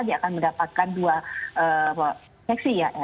dia akan mendapatkan dua seksi ya